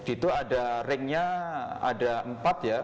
itu ada ringnya ada empat ya